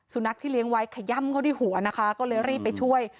สุนัขที่เลี้ยงไว้ขย่ำเขาที่หัวนะคะก็เลยรีบไปช่วย